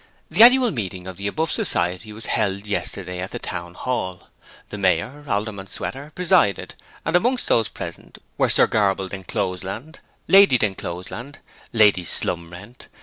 The annual meeting of the above Society was held yesterday at the Town Hall. The Mayor, Alderman Sweater, presided, and amongst those present were Sir Graball D'Encloseland, Lady D'Encloseland, Lady Slumrent.